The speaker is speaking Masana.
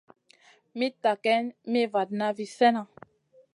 Mitta geyn mi vatna vi slèhna.